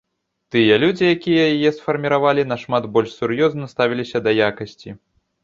Тыя людзі, якія яе сфарміравалі, нашмат больш сур'ёзна ставіліся да якасці.